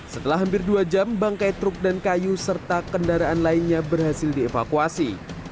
setelah hampir dua jam bangkai truk dan kayu serta kendaraan lainnya berhasil dievakuasi